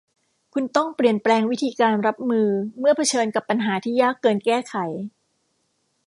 คุณต้องเปลี่ยนแปลงวิธีการรับมือเมื่อเผชิญกับปัญหาที่ยากเกินแก้ไข